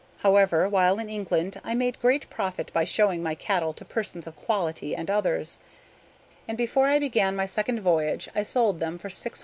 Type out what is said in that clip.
However, while in England I made great profit by showing my cattle to persons of quality and others; and before I began my second voyage I sold them for 600_l_.